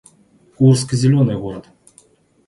Курск — зелёный город